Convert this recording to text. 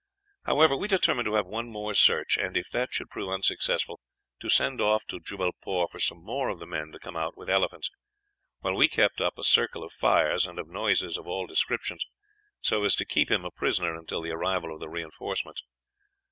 However, we determined to have one more search, and if that should prove unsuccessful, to send off to Jubbalpore for some more of the men to come out with elephants, while we kept up a circle of fires, and of noises of all descriptions, so as to keep him a prisoner until the arrival of the reinforcements.